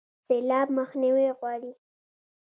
سیلاب مخنیوی غواړي